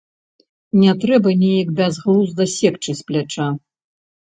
Не трэба неяк бязглузда секчы з пляча.